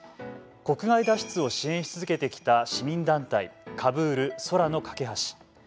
国外脱出を支援し続けてきた市民団体「カブール空の架け橋」。